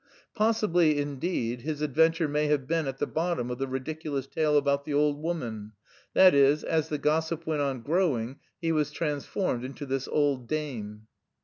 Possibly, indeed, his adventure may have been at the bottom of the ridiculous tale about the old woman, that is, as the gossip went on growing he was transformed into this old dame.